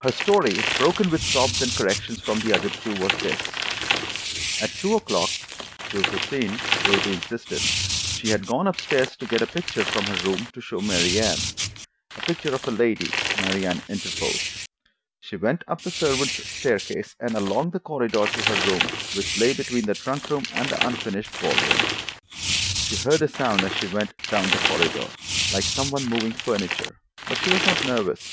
Her story, broken with sobs and corrections from the other two, was this: At two o'clock (two fifteen, Rosie insisted) she had gone up stairs to get a picture from her room to show Mary Anne. (A picture of a lady, Mary Anne interposed.) She went up the servants' staircase and along the corridor to her room, which lay between the trunk room and the unfinished ball room. She heard a sound as she went down the corridor, like some one moving furniture, but she was not nervous.